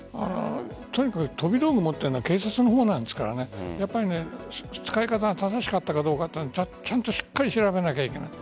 とにかく飛び道具を持っているのは警察の方ですから使い方が正しかったかどうかちゃんとしっかり調べなければいけない。